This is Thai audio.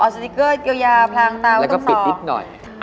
อ๋อเอาสติกเกอร์เกลียวยาพลางตาว่าต้องสอแล้วก็ปิดนิดหน่อย